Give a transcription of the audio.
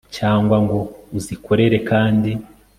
cyangwa ngo uzikorere kandi